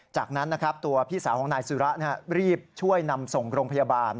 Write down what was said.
จากนั้นนะครับตัวพี่สาวของนายสุระรีบช่วยนำส่งโรงพยาบาล